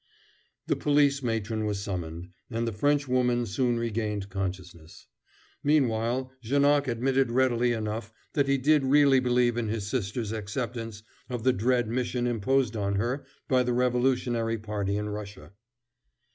The police matron was summoned, and the Frenchwoman soon regained consciousness. Meanwhile, Janoc admitted readily enough that he did really believe in his sister's acceptance of the dread mission imposed on her by the revolutionary party in Russia.